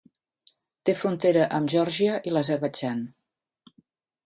Té frontera amb Geòrgia i l'Azerbaidjan.